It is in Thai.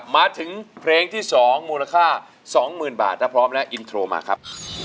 มาถึงเพลงที่๒มูลค่า๒๐๐๐บาทถ้าพร้อมแล้วอินโทรมาครับ